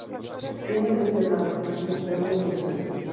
Tiene tres hermanos: Nancy, Antonio y Miguel.